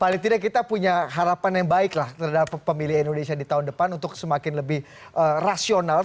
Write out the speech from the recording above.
paling tidak kita punya harapan yang baik lah terhadap pemilih indonesia di tahun depan untuk semakin lebih rasional